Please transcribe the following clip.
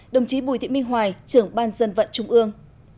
đồng chí bùi thị minh hoài trưởng ban dân vận trung ương